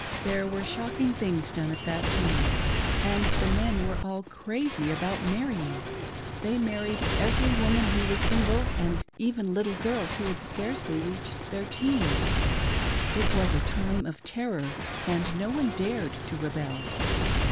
There were shocking things done at that time, and the men were all crazy about marrying. They married every woman who was single, and even little girls who had scarcely reached their teens ; it was a time of terror, and no one dared to rebel."